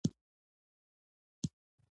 غرمه د ذهن د بندېدو شیبه ده